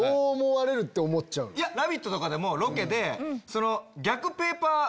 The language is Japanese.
『ラヴィット！』とかでもロケで。